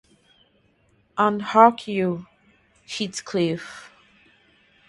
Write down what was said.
And hark you, Heathcliff!